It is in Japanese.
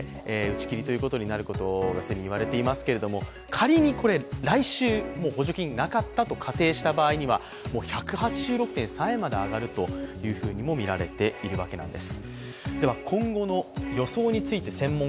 仮に来週、補助金がなかったと仮定した場合、１８６．３円まで上がるとみられているわけです。